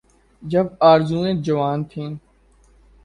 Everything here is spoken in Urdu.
جب آرزوئیں جوان تھیں۔